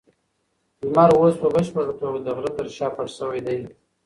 لمر اوس په بشپړه توګه د غره تر شا پټ شوی دی.